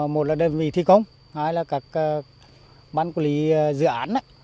một là đơn vị thi công hai là các bán quân dự án